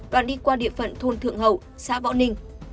đoạn đi qua địa phận thôn thượng hậu xã võ ninh